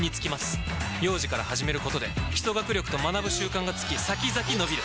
幼児から始めることで基礎学力と学ぶ習慣がつき先々のびる！